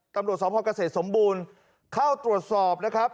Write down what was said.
ตำรวจสพเกษตรสมบูรณ์เข้าตรวจสอบนะครับ